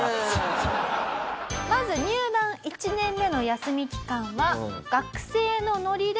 まず入団１年目の休み期間は学生のノリで。